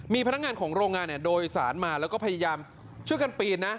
มีพนักงานของโรงงานโดยสารมาแล้วก็พยายามช่วยกันปีนนะ